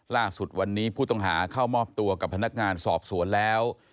ล่าสุดวันนี้ผู้ต้องหาเข้ามอบตัวกับพนักงานสอบสวนแล้ว